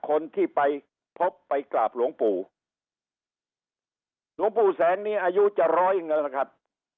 คนที่ไปพบไปกราบหลวงปู่ตูแสงนี้อายุจร้อยเงินนะครับ